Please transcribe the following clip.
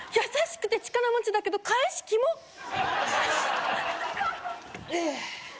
優しくて力持ちだけど返しキモっ